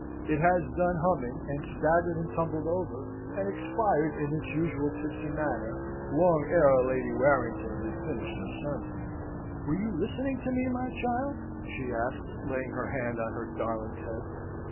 It has done humming, and staggered and tumbled over, and expired in its usual tipsy manner, long ere Lady Warrington has finished her sermon. "Were you listening to me, my child?" she asks, laying her hand on her darling's head.